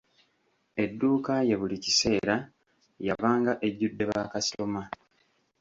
Edduuka ye buli kiseera yabanga ejjudde bakasitoma.